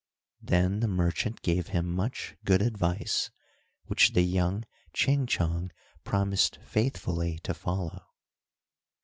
Then the merchant gave him much good advice, which the young Ching Chong promised faithfully to follow.